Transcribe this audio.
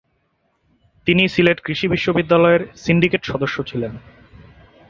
তিনি সিলেট কৃষি বিশ্ববিদ্যালয়ের সিন্ডিকেট সদস্য ছিলেন।